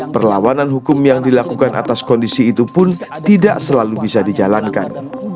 perlawanan hukum yang dilakukan atas kondisi itu pun tidak selalu bisa dijalankan